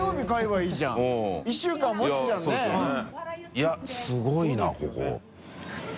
いすごいなここ。